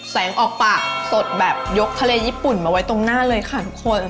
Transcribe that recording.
ออกปากสดแบบยกทะเลญี่ปุ่นมาไว้ตรงหน้าเลยค่ะทุกคน